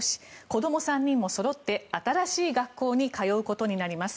子ども３人もそろって新しい学校に通うことになります。